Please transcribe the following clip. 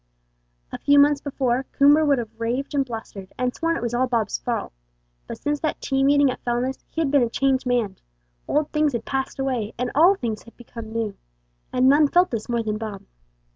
A few months before Coomber would have raved and blustered, and sworn it was all Bob's fault, but since that tea meeting at Fellness he had been a changed man old things had passed away, and all things had become new; and none felt this more than Bob.